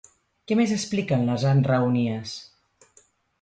Què més expliquen les enraonies?